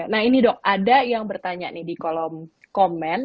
nah ini dok ada yang bertanya nih di kolom komen